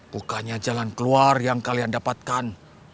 bukannya jalan keluar yang kalian dapatkan